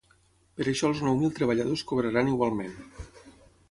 Per això els nou mil treballadors cobraran igualment.